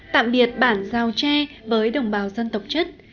tạm biệt bản giao tre với đồng bào dân tộc chất